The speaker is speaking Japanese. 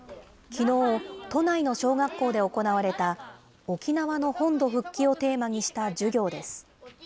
きのう、都内の小学校で行われた、沖縄の本土復帰をテーマにした授業です。